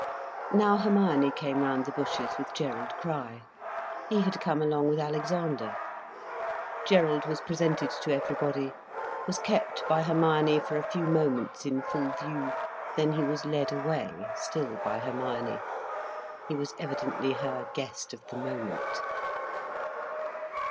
Now Hermione came round the bushes with Gerald Crich. He had come along with Alexander. Gerald was presented to everybody, was kept by Hermione for a few moments in full view, then he was led away, still by Hermione. He was evidently her guest of the moment.